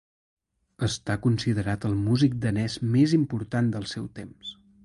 Està considerat el músic danès més important del seu temps.